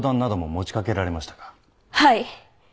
はい。